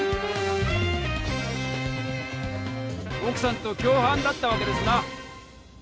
奥さんと共犯だったわけですな！